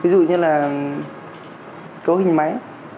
ví dụ như là cấu hình máy